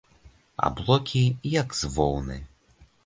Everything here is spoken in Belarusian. Аблокі, як з воўны.